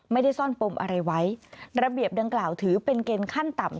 ไม่ได้ซ่อนปมอะไรไว้ระเบียบดังกล่าวถือเป็นเกณฑ์ขั้นต่ำ